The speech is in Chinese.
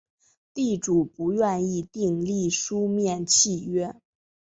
地主不愿意订立书面契约